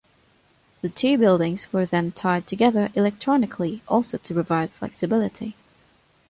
The two buildings were then tied together electronically also to provide flexibility.